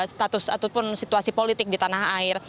status ataupun situasi politik di tanah air